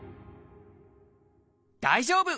大丈夫！